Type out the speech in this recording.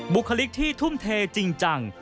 บุคลิกที่ทุ่มเทจริงจัง